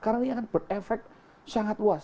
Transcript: karena ini akan berefek sangat luas